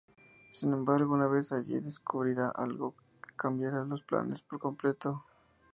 Sin embargo, una vez allí descubrirá algo que cambiará los planes por completo.